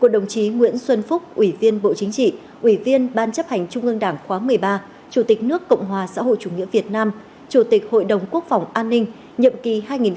đồng chí nguyễn xuân phúc ủy viên bộ chính trị ủy viên ban chấp hành trung ương đảng khóa một mươi ba chủ tịch nước cộng hòa xã hội chủ nghĩa việt nam chủ tịch hội đồng quốc phòng an ninh nhiệm kỳ hai nghìn một mươi sáu hai nghìn một mươi tám